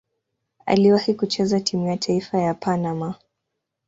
Aliwahi kucheza timu ya taifa ya Panama.